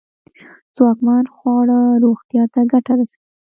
ځواکمن خواړه روغتیا ته گټه رسوي.